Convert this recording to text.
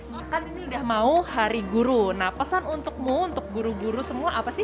makan ini udah mau hari guru nah pesan untukmu untuk guru guru semua apa sih